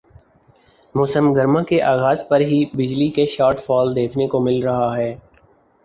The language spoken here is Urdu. موسم گرما کے آغاز پر ہی بجلی کا شارٹ فال دیکھنے کو مل رہا ہے